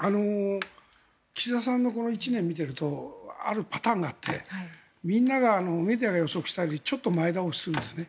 岸田さんのこの１年を見ているとあるパターンがあってみんながメディアが予測したよりちょっと前倒しするんですね。